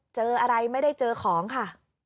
เจออะไรไม่ได้เจอของค่ะ